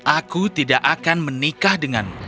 aku tidak akan menikah denganmu